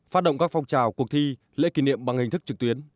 phát động các phong trào cuộc thi lễ kỷ niệm bằng hình thức trực tuyến